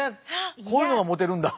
こういうのがモテるんだ。